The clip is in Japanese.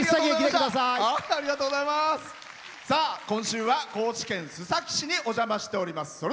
今週は高知県須崎市にお邪魔しております。